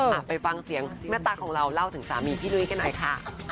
มาไปฟังเสียงแม่ตั๊กของเราเล่าถึงสามีพี่หนุ๊ยแค่ไหนค่ะ